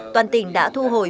toàn tỉnh đã thu hồi